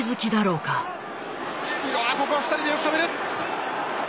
うわここは２人でよく止める！